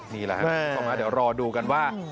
นี่แหละครับเข้ามาเดี๋ยวรอดูกันว่า